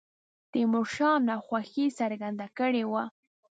تیمور شاه ناخوښي څرګنده کړې وه.